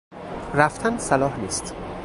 رفتن صلاح نیست.